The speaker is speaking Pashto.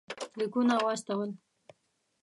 لیکونه واستول.